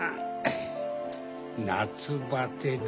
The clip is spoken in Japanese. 夏バテだ。